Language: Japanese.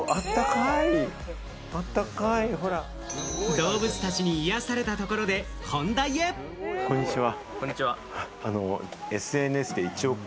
動物たちに癒やされたところこんにちは。